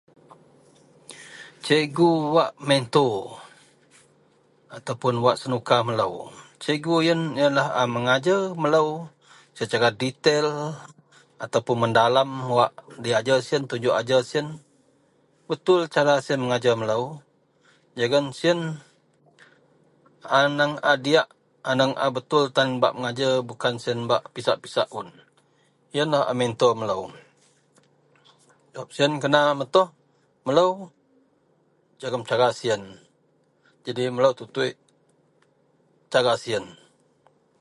Cikgu wak mentor ataupoun wak senuka melo, cikgu iyen lah a mengajar melo secara detail atau medalem wak diajar siyen, tunjuk ajar siyen, betul cara siyen mengajar melo, jegum a diyak aneang a betul tan bak mengajer, bukan bak pisak-pisak. Iyenlah a mentor melo. Siyen kena metoh melo, cara siyen, jadi melo tutui cara siyen.